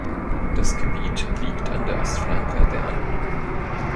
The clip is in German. Das Gebiet liegt an der Ostflanke der Anden.